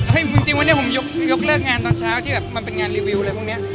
จริงวันนี้ผมยกเลิกงานตอนเช้าที่แบบมันเป็นงานรีวิวอะไรพวกนี้